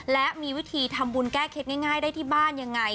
และมีวิธีทำบุญแก้เคล็ดง่ายได้ที่บ้านยังไง